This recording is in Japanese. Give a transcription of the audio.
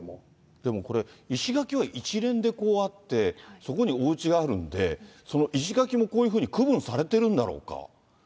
でもこれ、石垣は一連でこうあって、そこにおうちがあるんで、その石垣もこういうふうに区分されてるんだろうか。